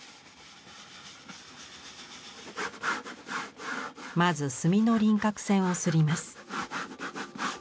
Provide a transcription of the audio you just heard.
まず墨の輪郭線を摺ります。